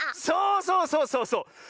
そうそうそうそうそう！